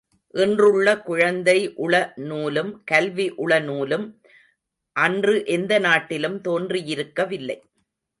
இன்றுள்ள குழந்தை உள நூலும் கல்வி உளநூலும் அன்று எந்த நாட்டிலும் தோன்றியிருக்கவில்லை.